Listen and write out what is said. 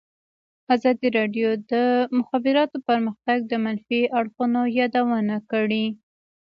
ازادي راډیو د د مخابراتو پرمختګ د منفي اړخونو یادونه کړې.